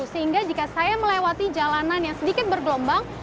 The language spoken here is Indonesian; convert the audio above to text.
sehingga jika saya melewati jalanan yang sedikit bergelombang